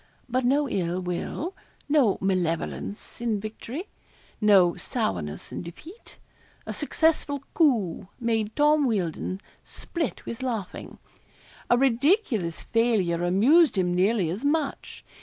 But no ill will no malevolence in victory no sourness in defeat. A successful coup made Tom Wealdon split with laughing. A ridiculous failure amused him nearly as much.